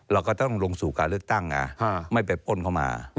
เราก็ต้องลงสู่การเลือกตั้งไงไม่ไปป้นเข้ามา